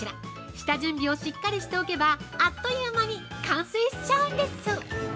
下準備をしっかりしておけばあっという間に完成しちゃうんです。